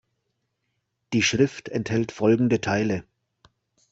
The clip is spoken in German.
Die Schrift enthält folgende Teile.